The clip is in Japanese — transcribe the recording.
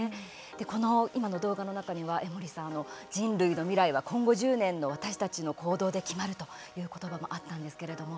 この今の動画の中には江守さん「人類の未来は、今度１０年の私たちの行動で決まる」という言葉もあったんですけれども。